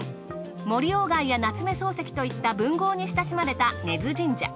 森外や夏目漱石といった文豪に親しまれた根津神社。